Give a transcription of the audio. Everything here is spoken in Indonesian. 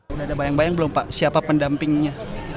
udah ada bayang bayang belum pak siapa pendampingnya